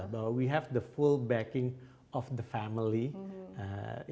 bahwa kita memiliki penyokongan sepenuhnya dari keluarga